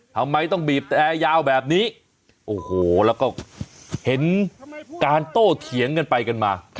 ทำไมต้องบีบแต่ยาวแบบนี้โอ้โหแล้วก็เห็นการโต้เถียงกันไปกันมา